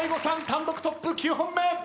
単独トップ９本目！